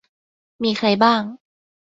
มีใครบ้าง